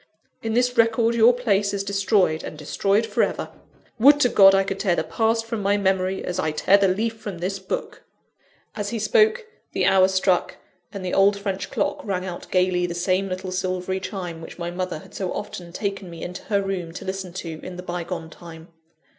In this record your place is destroyed and destroyed for ever. Would to God I could tear the past from my memory, as I tear the leaf from this book!" As he spoke, the hour struck; and the old French clock rang out gaily the same little silvery chime which my mother had so often taken me into her room to listen to, in the bygone time.